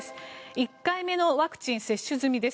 １回目のワクチン接種済みです。